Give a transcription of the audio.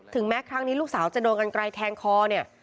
แม้ครั้งนี้ลูกสาวจะโดนกันไกลแทงคอเนี่ย